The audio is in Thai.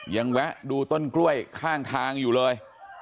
แวะดูต้นกล้วยข้างทางอยู่เลย